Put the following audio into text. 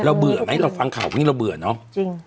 เราเบื่อไหมเราฟังข่าวเพราะนี้เราเบื่อเนาะ